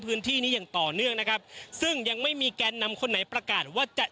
พื้นที่นี้อย่างต่อเนื่องนะครับซึ่งยังไม่มีแกนนำคนไหนประกาศว่าจะ